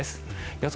予想